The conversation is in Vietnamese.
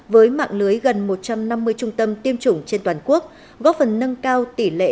với mạng lưới gần một trăm năm mươi trung tâm tiêm chủng trên toàn quốc góp phần nâng cao tỷ lệ